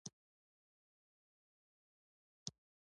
خالد بېرته موټر هماغه سړک ته سیخ کړ.